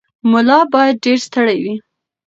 ملا باید ډېر ستړی وي.